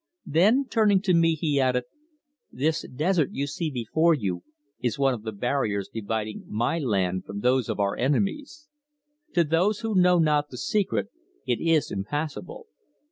Then, turning to me, he added: "This desert you see before you is one of the barriers dividing my land from those of our enemies. To those who know not the secret it is impassable."